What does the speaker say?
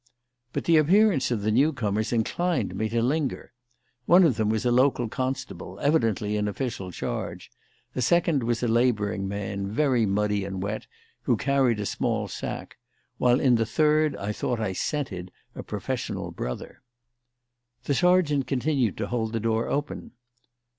But the appearance of the new comers inclined me to linger. One of them was a local constable, evidently in official charge; a second was a labouring man, very muddy and wet, who carried a small sack; while in the third I thought I scented a professional brother. The sergeant continued to hold the door open.